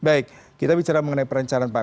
baik kita bicara mengenai perencanaan pak